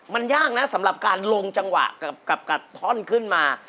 มันยากนะสำหรับการลงจังหวะกับกัดท่อนขึ้นมา